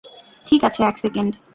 ঠিক আছে, এক সেকেন্ড।